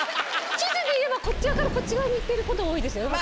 地図でいえばこっち側からこっち側に行ってること多いですよね？